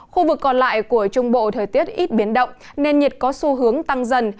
khu vực còn lại của trung bộ thời tiết ít biến động nên nhiệt có xu hướng tăng dần